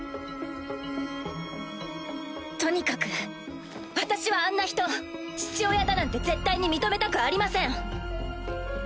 とにかく私はあんな人父親だなんて絶対に認めたくありません！